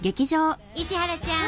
石原ちゃん